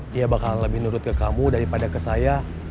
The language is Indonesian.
dia bakal lebih nurut ke kamu daripada ke saya